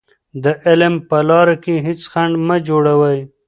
د علم په لاره کې هېڅ خنډ مه جوړوئ.